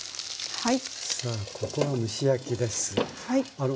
はい。